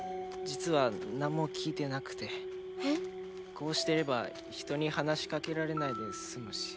こうしてれば人に話しかけられないで済むし。